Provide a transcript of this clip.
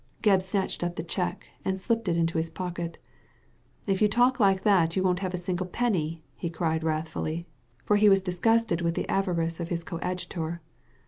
Gebb snatched up the cheque, and slipped it into his pocket If you talk like that you won't have a single penny I " he cried wrathfully, for he was dis* gusted with the avarice of his coadjutor.